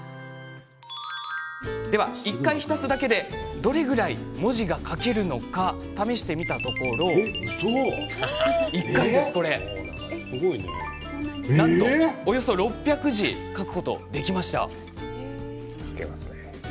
では、１回浸すだけでどれぐらい文字が書けるのか試してみたところなんと、およそ６００字書くことができたんです。